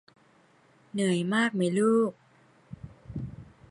เหนื่อยมากไหมลูก